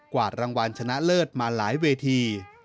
วาดรางวัลชนะเลิศมาหลายเวที